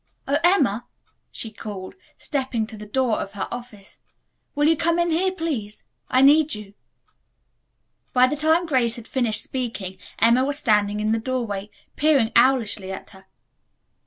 "Oh, Emma," she called, stepping to the door of her office, "will you come in here, please? I need you." By the time Grace had finished speaking Emma was standing in the doorway, peering owlishly at her.